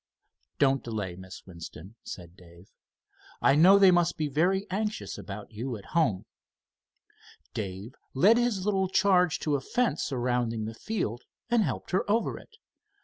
"Don't delay, Miss Winston," said Dave. "I know they must be very anxious about you at home." Dave led his little charge to the fence surrounding the field and helped her over it.